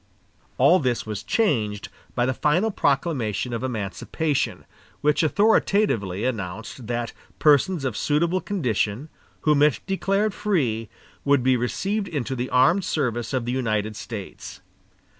All this was changed by the final proclamation of emancipation, which authoritatively announced that persons of suitable condition, whom it declared free, would be received into the armed service of the United States.